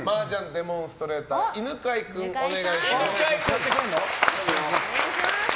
デモンストレーター犬飼君、お願いします。